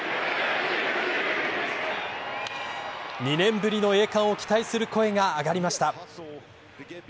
２年ぶりの栄冠を期待する声が上がりました。